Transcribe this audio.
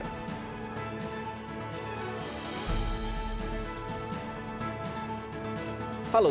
halo selamat malam